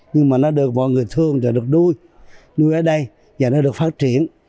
nhưng mà nó được mọi người thương rồi được đuôi nuôi ở đây và nó được phát triển